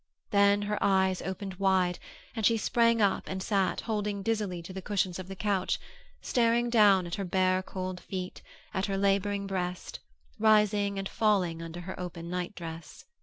Then her eyes opened wide and she sprang up and sat holding dizzily to the cushions of the couch, staring down at her bare, cold feet, at her laboring breast, rising and falling under her open nightdress.